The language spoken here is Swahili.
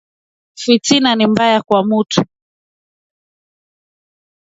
Fitina ni mbaya kwa mutu